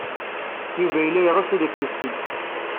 Yuba yella yeɣs ad k-yessen.